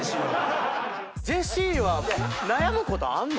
ジェシーは悩むことあんの？